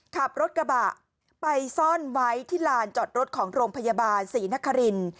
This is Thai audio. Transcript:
ขับรถกระบะไปซ่อนไว้ที่ลานจอดรถของโรงพยาบาลศรีนคริน